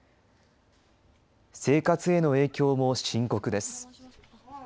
生活への影響も深刻です。